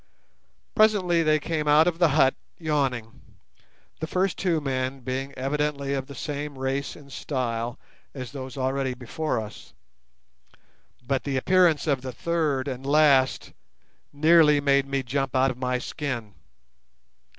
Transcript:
Presently they came out of the hut, yawning—the first two men being evidently of the same race and style as those already before us; but the appearance of the third and last nearly made me jump out of my skin.